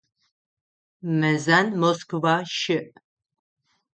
Мэзан Москва щыӏ.